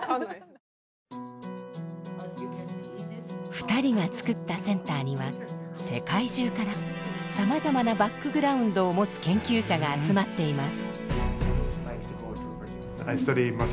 ２人が作ったセンターには世界中からさまざまなバックグラウンドを持つ研究者が集まっています。